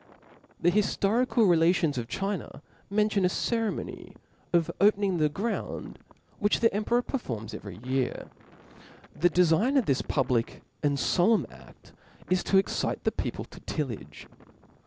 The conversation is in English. ^HE hiftorical relations (') of China mention ^*)F»*J«J a ceremony *.of opening the grounds, which Hiftory of the emperor performs every year. The defign of ^^".*» this public apd folemn aft is to excite f the peo pag. 7s, pie to tillage..